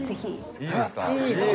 いいですか？